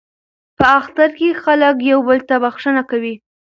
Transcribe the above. په اختر کې خلک یو بل ته بخښنه کوي.